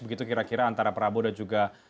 begitu kira kira antara prabowo dan juga